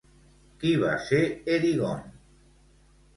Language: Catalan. Qui va ser Erígone?